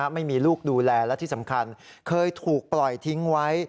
ไม่มีลูกดูแลและที่สำคัญเคยถูกปล่อยทิ้งไว้